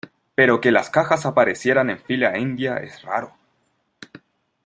pero que las cajas aparecieran en fila india es raro.